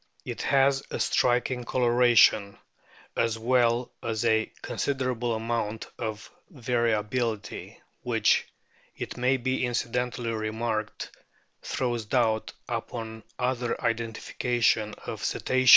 It has a striking <~> O ^j coloration, as well as a considerable amount of variability, which, it may be incidentally remarked, throws doubt upon other identifications of Cetaceans * DE BLAINVILLE, Nouv.